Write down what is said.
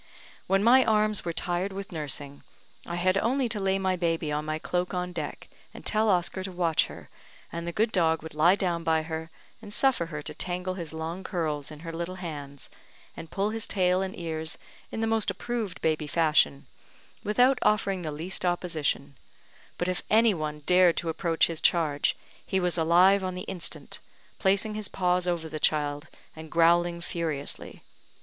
When my arms were tired with nursing, I had only to lay my baby on my cloak on deck, and tell Oscar to watch her, and the good dog would lie down by her, and suffer her to tangle his long curls in her little hands, and pull his tail and ears in the most approved baby fashion, without offering the least opposition; but if any one dared to approach his charge, he was alive on the instant, placing his paws over the child, and growling furiously.